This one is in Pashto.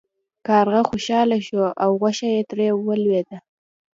کارغه خوشحاله شو او غوښه ترې ولویده.